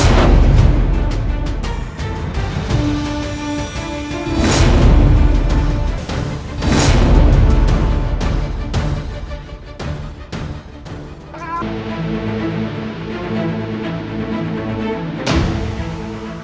aku akan menolongmu saat ini